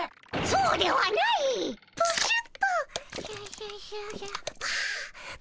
そうではないっ！